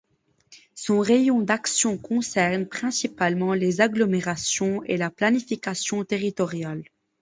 Son rayon d'action concerne principalement les agglomérations et la planification territoriale.